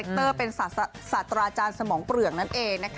ที่เดิมเทอร์เป็นสตราจารย์สมองเปลืองนั้นเอง